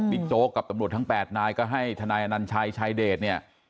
บิ๊กโจ๊กกับตำรวจทั้ง๘นายก็ให้ธนายนันชัยชายเดชน์